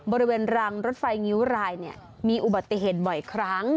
บริเวณรางรถไฟงิ้วรายมีอุบัติเหตุบ่อยครั้ง